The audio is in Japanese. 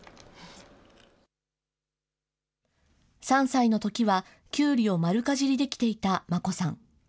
３歳のときは、きゅうりを丸かじりできていた真心さん。